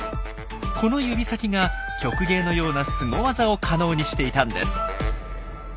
この指先が曲芸のようなスゴワザを可能にしていたんです。